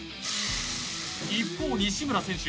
一方西村選手